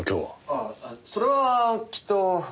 ああそれはきっと。